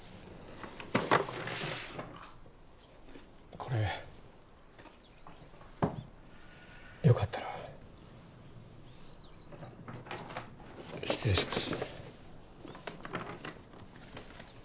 これよかったら失礼します